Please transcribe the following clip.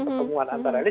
pertemuan antara elit